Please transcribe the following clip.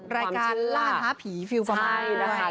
เป็นรายการล่าพ้าผีฟิวประมาณนี้